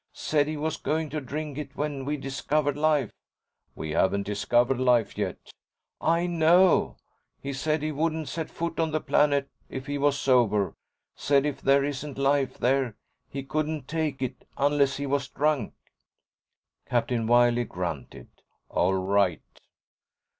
Said he was going to drink it when we discovered life." "We haven't discovered life yet." "I know. He said he wouldn't set foot on the planet if he was sober. Said if there isn't life there, he couldn't take it—unless he was drunk." Captain Wiley grunted. "All right."